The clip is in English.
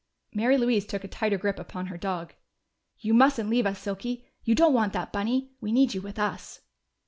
Mary Louise took a tighter grip upon her dog. "You mustn't leave us, Silky! You don't want that bunny! We need you with us."